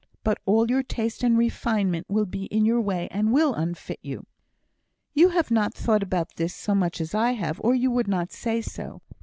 But all your taste and refinement will be in your way, and will unfit you." "You have not thought about this so much as I have, or you would not say so.